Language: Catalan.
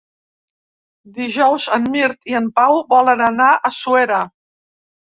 Dijous en Mirt i en Pau volen anar a Suera.